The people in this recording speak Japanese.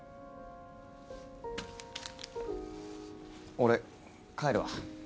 俺帰るわ。